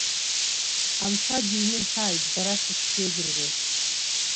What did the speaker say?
Анцәа биныҳәааит, ббара сышԥеигәырӷьеи!